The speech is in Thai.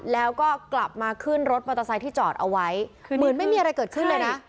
แล้วก็กลับมาขึ้นรถมอเตอร์ไซค์ที่จอดเอาไว้เหมือนไม่มีอะไรเกิดขึ้นเลยนะ